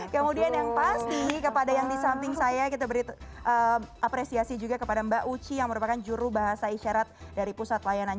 kemudian yang pasti kepada yang di samping saya kita beri apresiasi juga kepada mbak uci yang merupakan juru bahasa isyarat dari pusat layanan